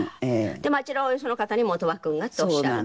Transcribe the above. でもあちらはよその方にも「乙羽君が」っておっしゃる。